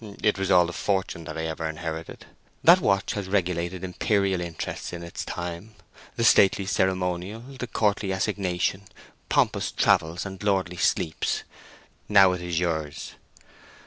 It was all the fortune that ever I inherited. That watch has regulated imperial interests in its time—the stately ceremonial, the courtly assignation, pompous travels, and lordly sleeps. Now it is yours."